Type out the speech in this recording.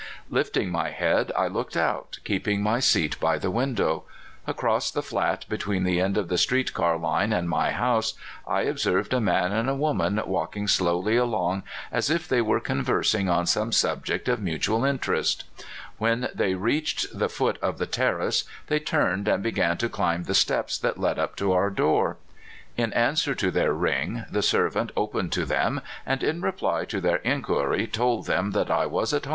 Lifting my head, I looked out, keeping my seat by the window. Across the flat between the end of the street car line and my house I observed a man and a woman walking slowly along as if they were conversing on some subject of mutual interest. When they reached the foot of the terrace they turned and began to climb the steps that led up to our door. In an swer to their ring the servant opened to them, and in reply to their inquiry told them that I was at 314 CALIFORNIA SKETCHES.